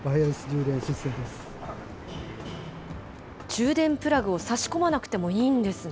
充電プラグを差し込まなくてもいいんですね。